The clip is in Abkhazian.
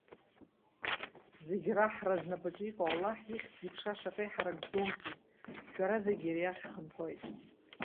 Зегьы раҳра знапаҿы иҟоу Аллаҳ, ихьӡ-иԥша шаҟа иҳаракӡоузеи! Шәарҭ зегьы иара иахь шәхынҳәуеит.